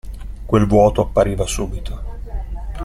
Quel vuoto appariva subito.